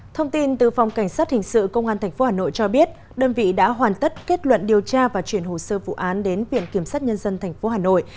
thông tin từ phòng cảnh sát hình sự công an tp hà nội cho biết đơn vị đã hoàn tất kết luận điều tra và chuyển hồ sơ vụ án đến viện kiểm sát nhân dân tp hà nội